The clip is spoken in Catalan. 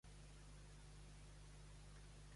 Està enterrat a l'abadia de Sant Tomàs a Brno.